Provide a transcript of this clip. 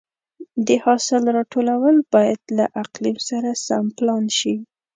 د حاصل راټولول باید له اقلیم سره سم پلان شي.